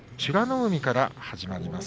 海から始まります。